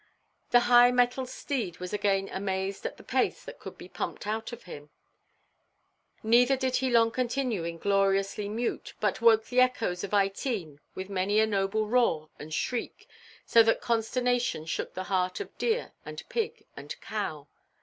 The high–mettled steed was again amazed at the pace that could be pumped out of him; neither did he long continue ingloriously mute, but woke the echoes of Ytene with many a noble roar and shriek, so that consternation shook the heart of deer and pig and cow.